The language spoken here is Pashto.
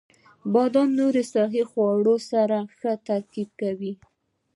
• بادام د نورو صحي خوړو سره ښه ترکیب ورکوي.